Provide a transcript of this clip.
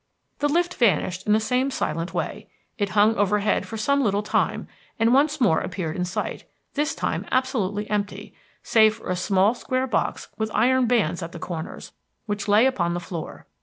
The lift vanished in the same silent way. It hung overhead for some little time, and once more appeared in sight, this time absolutely empty, save for a small square box with iron bands at the corners, which lay upon the floor.